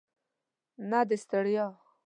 نه د ستړیا.